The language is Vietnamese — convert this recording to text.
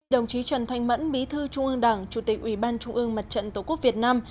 đồng chí trần thanh mẫn bí thư trung ương đảng chủ tịch ủy ban trung ương mặt trận tổ quốc việt nam